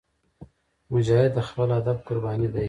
مجاهد د خپل هدف قرباني دی.